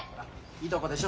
いとこでしょ。